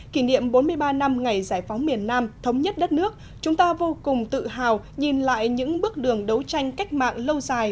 kỷ niệm bốn mươi ba năm ngày giải phóng miền nam thống nhất đất nước chúng ta vô cùng tự hào nhìn lại những bước đường đấu tranh cách mạng lâu dài